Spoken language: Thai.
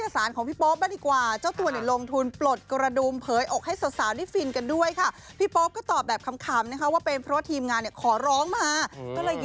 ต้องไปเลือกสีขาวที่ดีกว่าดีหน่อย